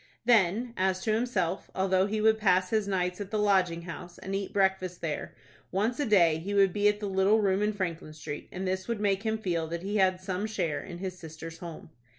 Then, as to himself, although he would pass his nights at the Lodging House, and eat breakfast there, once a day he would be at the little room in Franklin Street, and this would make him feel that he had some share in his sister's home.